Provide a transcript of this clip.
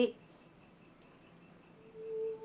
ibu kamu harus belajar yang rajin ya umumnya